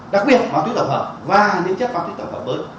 đặc biệt ma túy tổng hợp và những chất ma túy tổng hợp mới